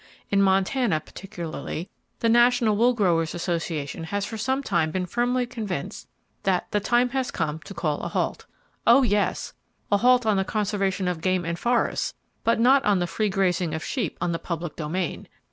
In Montana, particularly, the National Wool Growers' Association has for some time been firmly convinced that "the time has come to call a halt." Oh, yes! A halt on the conservation of game and forests; but not on the free grazing of sheep on the public domain.